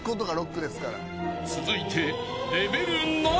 ［続いて］